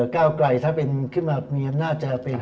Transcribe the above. ก้าวไกลถ้าเป็นขึ้นมามีอำนาจจะเป็น